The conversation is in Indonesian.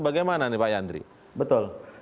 bagaimana nih pak yandri betul